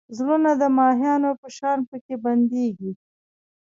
زړونه د ماهیانو په شان پکې بندېږي.